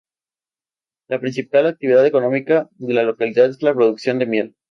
La principal actividad económica de la localidad es la producción de miel.